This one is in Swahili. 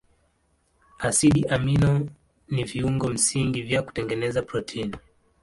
Asidi amino ni viungo msingi vya kutengeneza protini.